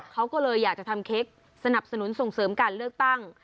เขาก็เลยอยากจะทำเค้กสนับสนุนส่งเสริมการเลือกตั้ง